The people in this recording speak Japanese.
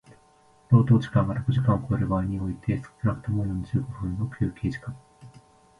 労働時間が六時間を超える場合においては少くとも四十五分の休憩時間